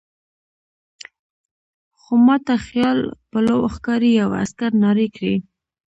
خو ما ته خیال پلو ښکاري، یوه عسکر نارې کړې.